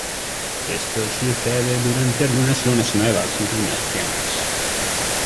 Esto sucede durante algunas lunas nuevas y lunas llenas.